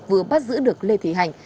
vừa bắt giữ được lê thị hạnh